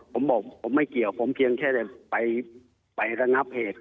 ผมบอกผมไม่เกี่ยวผมเพียงแค่จะไประงับเหตุ